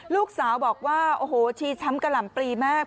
ลูกสาวบอกว่าชีช้ำกล่ำปลีมาก